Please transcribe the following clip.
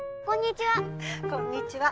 こんにちは。